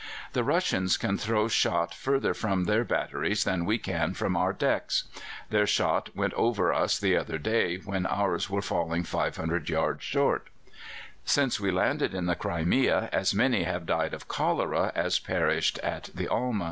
The Russians can throw shot further from their batteries than we can from our decks. Their shot went over us the other day when ours were falling 500 yards short. "Since we landed in the Crimea as many have died of cholera as perished at the Alma.